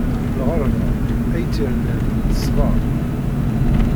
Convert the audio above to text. Lɣeṛba, ay tt-irnan, d ṣṣbeṛ.